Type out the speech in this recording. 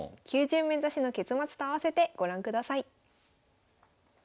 ９０面指しの結末と併せてご覧ください。